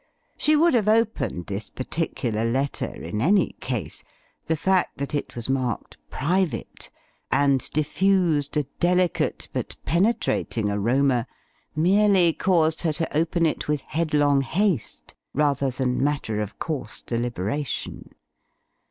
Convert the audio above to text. She would have opened this particular letter in any case; the fact that it was marked "private," and diffused a delicate but penetrating aroma merely caused her to open it with headlong haste rather than matter of course deliberation.